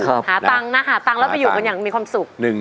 หาตังค์นะหาตังค์แล้วไปอยู่กันอย่างมีความสุข